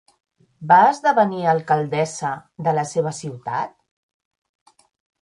Va esdevenir alcaldessa de la seva ciutat?